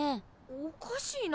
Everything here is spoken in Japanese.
おかしいな。